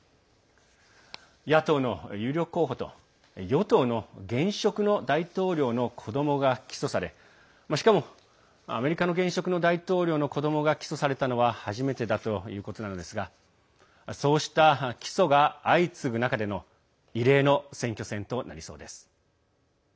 野党の有力候補と与党の現職の大統領の子どもが起訴されしかも、アメリカの現職の大統領の子どもが起訴されたのは初めてだということなのですがそうした起訴が相次ぐ中での異例の選挙戦となりそうです。